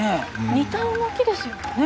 似た動きですよね。